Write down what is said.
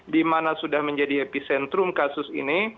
di mana sudah menjadi epicentrum kasus ini